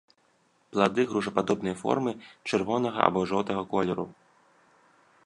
Плады грушападобнай формы, чырвонага або жоўтага колеру.